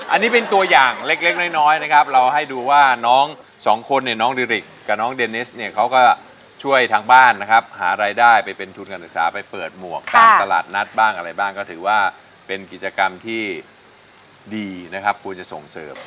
อันนี้เป็นตัวอย่างเล็กน้อยนะครับเราให้ดูว่าน้องสองคนเนี่ยน้องดิริกกับน้องเดนิสเนี่ยเขาก็ช่วยทางบ้านนะครับหารายได้ไปเป็นทุนการศึกษาไปเปิดหมวกตามตลาดนัดบ้างอะไรบ้างก็ถือว่าเป็นกิจกรรมที่ดีนะครับควรจะส่งเสริม